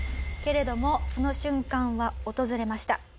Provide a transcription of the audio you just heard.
けれどもその瞬間は訪れました。